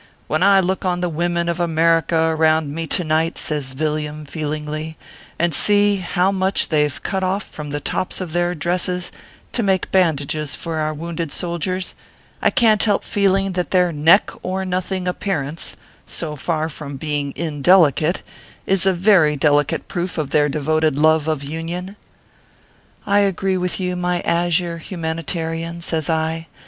When I look on the women of America around me to night/ says Villiam, feel ingly, " and see how much they ve cut off from the tops of their dresses, to make bandages for our wounded soldiers, I can t help feeling that their neck or nothing appearance so far from being in delicate, is a very delicate proof of their devoted love of Union." " I agree with you, my azure humanitarian," says I.